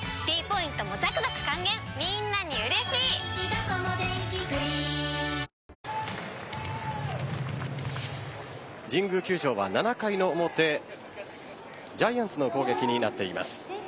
ただ、この回神宮球場は７回の表ジャイアンツの攻撃になっています。